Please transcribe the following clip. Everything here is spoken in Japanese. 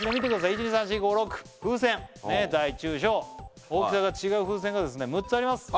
１２３４５６風船大中小大きさが違う風船がですね６つあります